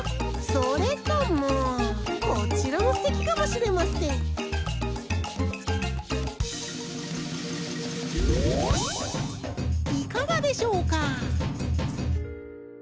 それともこちらもすてきかもしれませんいかがでしょうか？